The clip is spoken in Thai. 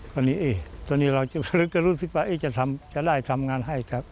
ตอนนี้รู้สึกว่าจะได้ทำงานให้